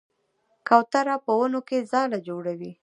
کوتره په ونو کې ځاله جوړوي.